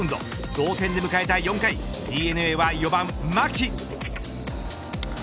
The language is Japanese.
同点で迎えた４回ＤｅＮＡは４番、牧。